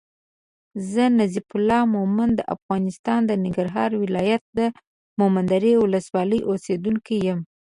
زه نظیف الله مومند د افغانستان د ننګرهار ولایت د مومندرې ولسوالی اوسېدونکی یم